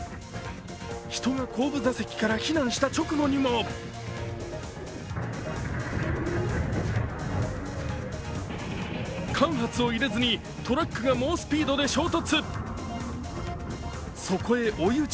人が後部座席から避難した直後にも間髪を入れずに、トラックが猛スピードで衝突。